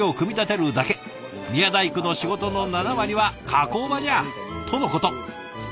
宮大工の仕事の７割は加工場じゃ！」とのこと。